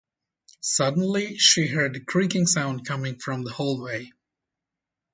Suddenly, she heard a creaking sound coming from the hallway.